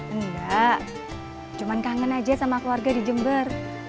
enggak cuma kangen aja sama keluarga di jember